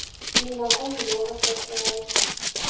Не магу многа працаваць.